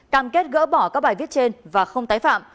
cam kết gỡ bỏ các bài viết trên và không tái phạm